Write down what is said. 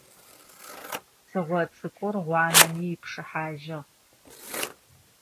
Цыгъо цӏыкӏур, гъуанэми ипшыхьажьыгъ.